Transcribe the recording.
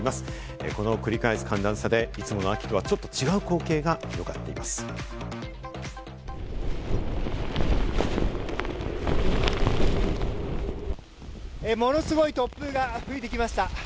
この繰り返す寒暖差でいつもの秋とはちょっと違う光景が各所で広ものすごい突風が吹いてきました。